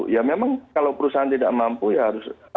ya memang kalau perusahaan tidak mampu ya harus